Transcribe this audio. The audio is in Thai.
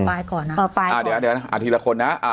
ปายก่อนอ่ะป่าปายอ่ะเดี๋ยวเดี๋ยวอ่ะทีละคนน่ะอ่าอ่า